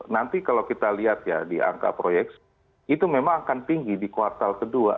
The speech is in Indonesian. nanti kalau kita lihat ya di angka proyeksi itu memang akan tinggi di kuartal kedua